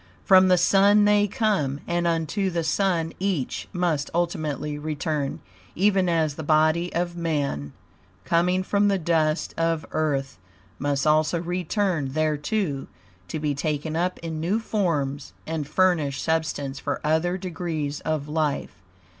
From the Sun they come, and unto the Sun each must ultimately return, even as the body of Man, coming from the dust of Earth, must also return thereto, to be taken up in new forms and furnish substance for other degrees of life.